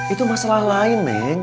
itu masalah lain neng